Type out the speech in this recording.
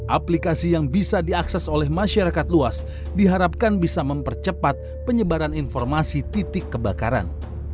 aplikasi yang bisa diakses oleh masyarakat luas diharapkan bisa mempercepat penyebaran informasi titik kebakaran